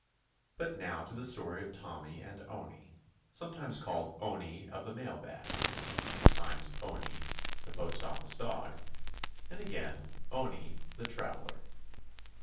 But now to the story of Tommy and Owney, some times called "Owney of the Mail Bags," sometimes "Owney, the Post 217 THE ADVENTURES OF office Dog," and again, "Owney, the Traveller."